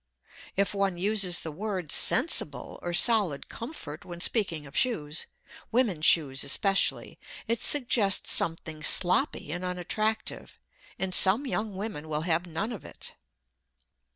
If one uses the words "sensible" or "solid comfort" when speaking of shoes women's shoes especially it suggests something sloppy and unattractive, and some young women will have none of it.